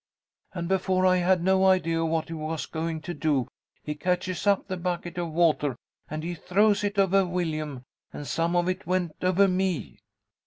And before I had no idea of what he was going to do, he catches up the bucket of water and he throws it over Willyum, and some of it went over me.